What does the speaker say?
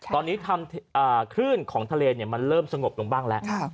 ตอนนี้ทำคลื่นของทะเลเนี่ยมันเริ่มสงบตรงบ้างแล้วครับ